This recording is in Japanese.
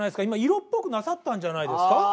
今色っぽくなさったんじゃないですか？